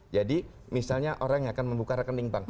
jadi misalnya orang yang akan membuka rekening bank